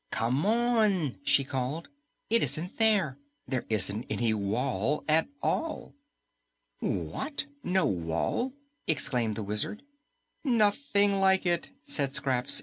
"Come on!" she called. "It isn't there. There isn't any wall at all." "What? No wall?" exclaimed the Wizard. "Nothing like it," said Scraps.